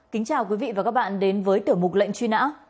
kính chào quý vị và các bạn đến với tiểu mục lệnh truy nã